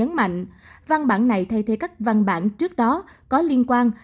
nhấn mạnh văn bản này thay thế các văn bản trước đó có liên quan